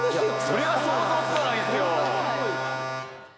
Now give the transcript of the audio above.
それが想像つかないんですよ